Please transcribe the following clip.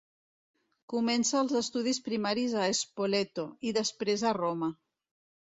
Comença els estudis primaris a Spoleto, i després a Roma.